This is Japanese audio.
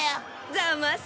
ざます。